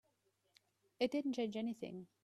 It didn't change anything.